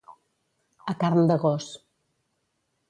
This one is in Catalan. A carn de gos.